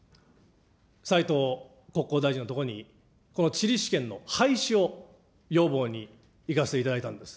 斉藤国交大臣の所にこの地理試験の廃止を要望に行かせていただいたんです。